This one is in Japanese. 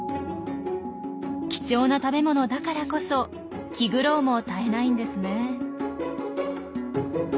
貴重な食べ物だからこそ気苦労も絶えないんですね。